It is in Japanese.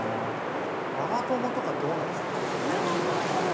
ママ友とかどうなんすか？